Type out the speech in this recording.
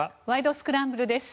スクランブル」です。